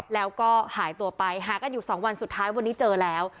แล้วก็หายตัวไปหากันอยู่๒วันสุดท้ายวันนี้เจอแล้ว